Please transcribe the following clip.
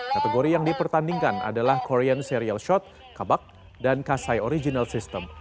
kategori yang dipertandingkan adalah korean serial shot kabak dan kasai original system